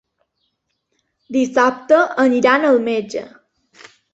Dissabte aniran al metge.